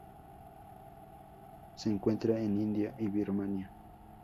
Se encuentra en India y Birmania.